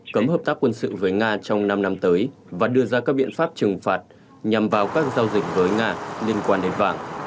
cấm hợp tác quân sự với nga trong năm năm tới và đưa ra các biện pháp trừng phạt nhằm vào các giao dịch với nga liên quan đến vàng